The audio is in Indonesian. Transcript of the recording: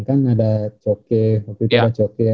kan ada cokke waktu itu ada cokke ya